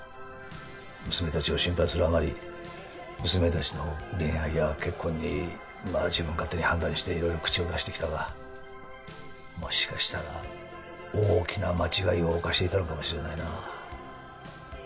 娘たちを心配するあまり娘たちの恋愛や結婚にまあ自分勝手に判断して色々口を出してきたがもしかしたら大きな間違いを犯していたのかもしれないな。